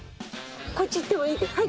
こっち行ってもいい？